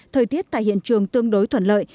thời tiết tại hiện trường tương đối thuận lợi